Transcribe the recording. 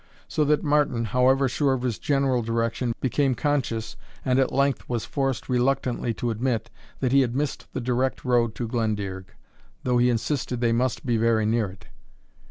So that Martin, however sure of his general direction, became conscious, and at length was forced reluctantly to admit, that he had missed the direct road to Glendearg, though he insisted they must be very near it.